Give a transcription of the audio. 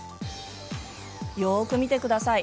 よく見てください。